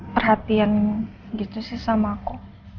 perhatian gitu sih sama aku